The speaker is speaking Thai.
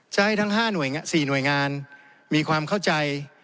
ให้ทั้ง๕๔หน่วยงานมีความเข้าใจ